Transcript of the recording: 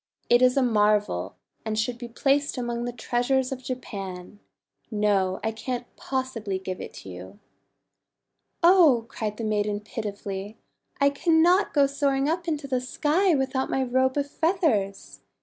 It is a marvel, and should be placed among the treasures of Japan. No, I can't possibly give it to you." "Oh!* cried the maiden pitifully, "I cannot go soaring up into the sky without my Robe of Feathers.